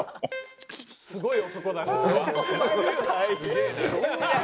「すごい男だな」